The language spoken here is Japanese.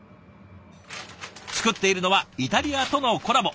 作っているのはイタリアとのコラボ